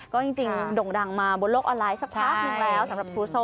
ก็จริงโด่งดังมาบนโลกออนไลน์สักพักหนึ่งแล้วสำหรับครูโซ่